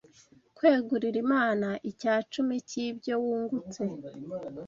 Kwegurira Imana icyacumi cy’ibyo wungutse